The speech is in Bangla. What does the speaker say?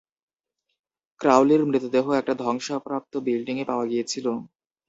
ক্রাউলির মৃতদেহ একটা ধ্বংসপ্রাপ্ত বিল্ডিংয়ে পাওয়া গিয়েছিল।